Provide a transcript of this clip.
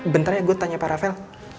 bentar ya gue tanya paravel